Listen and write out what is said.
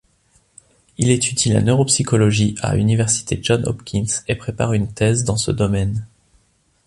Il étudie la neuropsychologie à Université Johns-Hopkins et prépare une thèse dans ce domaine.